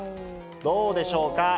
どうでしょうか？